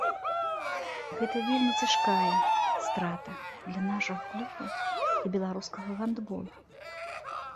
Гэта вельмі цяжкая страта для нашага клуба і беларускага гандбола.